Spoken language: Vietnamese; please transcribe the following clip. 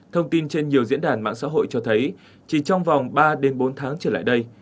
thông tin trên nhiều diễn đàn mạng xã hội cho thấy chỉ trong vòng ba bốn tháng trở lại đây